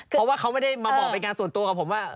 เพราะว่าเขาไม่ได้มาบอกเป็นการส่วนตัวกับผมว่า